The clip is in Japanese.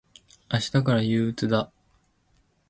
明日からが憂鬱だ。